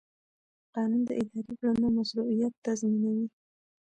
قانون د اداري کړنو مشروعیت تضمینوي.